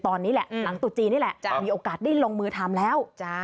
ตอนนี้แหละหลังตุจีนนี่แหละจะมีโอกาสได้ลงมือทำแล้ว